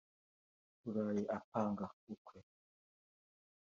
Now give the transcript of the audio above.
Rurayi apange ukwe